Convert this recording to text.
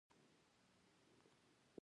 د باغ دیوال کول اړین دي؟